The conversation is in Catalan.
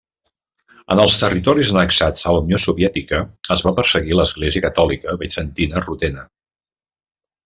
En els territoris annexats a la Unió Soviètica es va perseguir l'Església catòlica Bizantina Rutena.